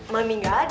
mami gak ada